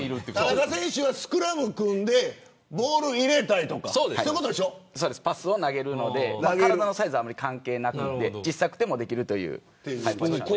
田中選手はスクラムを組んでボールを入れたりとか。パスを投げるので体のサイズはあんまり関係なくて小さくてもできるというポジションです。